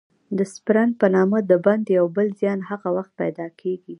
د سپرن په نامه د بند یو بل زیان هغه وخت پیدا کېږي.